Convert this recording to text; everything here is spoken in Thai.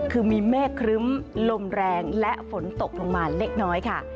คือมีเมฆครึ้มลมแรงและฝนตกลงมาเล็กน้อยค่ะ